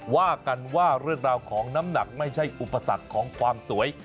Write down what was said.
ว่ากันว่าเรื่องราวของน้ำหนักไม่ใช่อุปสรรคของความสวย